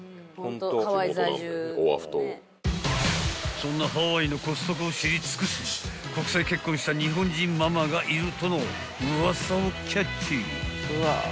［そんなハワイのコストコを知り尽くす国際結婚した日本人ママがいるとのウワサをキャッチ］